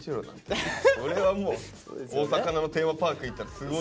大阪のテーマパーク行ったらすごい。